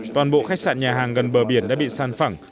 toàn bộ khách sạn nhà hàng gần bờ biển đã bị san phẳng